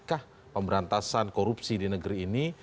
kah pemberantasan korupsi di negeri ini